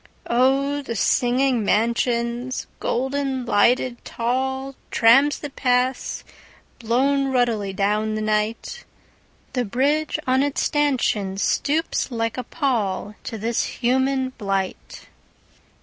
Oh, the singing mansions, Golden lighted tallTrams that pass, blown ruddily down the night! The bridge on its stanchionsStoops like a pallTo this human blight.